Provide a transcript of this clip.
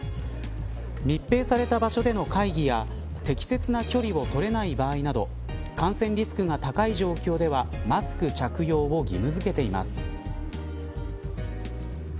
密閉された場所での会議や適切な距離を取れない場合など感染リスクが高い状況ではマスク着用を義務付けています。